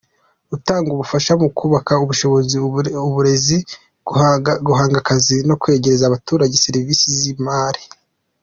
Utanga ubufasha mu kubaka ubushobozi, uburezi, guhanga akazi no kwegereza abaturage serivisi z’imari.